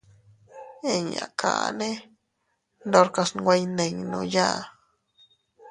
Inñakane ndorkas iynweiyninuya.